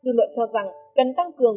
dư luận cho rằng cần tăng cường